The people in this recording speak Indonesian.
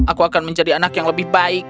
aku akan menjadi anak yang lebih baik